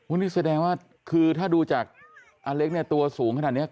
นี่แสดงว่าคือถ้าดูจากอเล็กเนี่ยตัวสูงขนาดนี้